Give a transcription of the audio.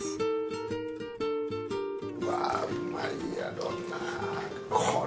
うわうまいやろなぁ。